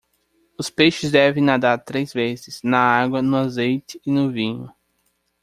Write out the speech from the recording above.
Os peixes devem nadar três vezes: na água, no azeite e no vinho.